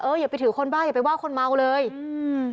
อย่าไปถือคนบ้าอย่าไปว่าคนเมาเลยอืม